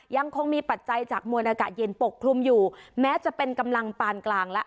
ยังคงมีปัจจัยจากมวลอากาศเย็นปกคลุมอยู่แม้จะเป็นกำลังปานกลางแล้ว